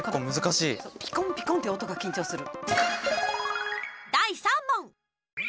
ピコンピコンって音が緊張する。